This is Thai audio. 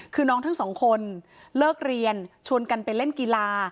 คือน้องทั้งสองคนเลิกเรียนชวนกันไปเล่นกีฬา